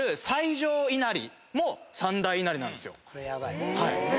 これヤバい。